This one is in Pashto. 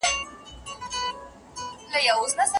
موږ د هغه په اړه معلومات نه دي پټ کړي.